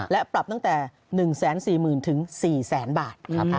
และปรับตั้งแต่๑๔๐๐๐๔๐๐๐บาท